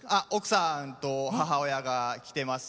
奥さんと母親が来てます。